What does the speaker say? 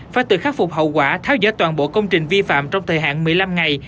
phải tự khắc phục hậu quả tháo dỡ toàn bộ công trình vi phạm trong thời hạn một mươi năm ngày